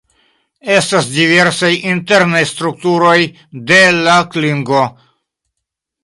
Estas diversaj internaj strukturoj de la klingo.